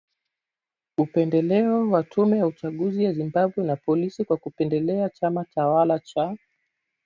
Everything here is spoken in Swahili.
upendeleo wa tume ya uchaguzi ya Zimbabwe, na polisi kwa kukipendelea chama tawala cha